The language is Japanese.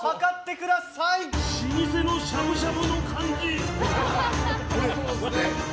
老舗のしゃぶしゃぶの感じ！